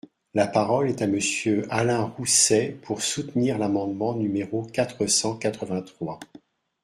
La parole est à Monsieur Alain Rousset, pour soutenir l’amendement numéro quatre cent quatre-vingt-trois.